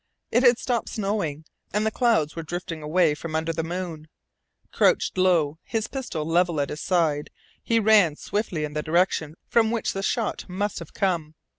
It had stopped snowing, and the clouds were drifting away from under the moon. Crouched low, his pistol level at his side, he ran swiftly in the direction from which the shot must have come.